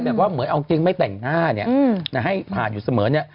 แบบว่าเหมือนเอาจริงไม่แต่งหน้าให้ผ่านอยู่เสมือน